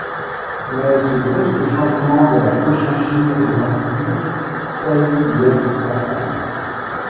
Mais ce brusque changement de la Cochinchine aux Antilles faillit lui être fatal.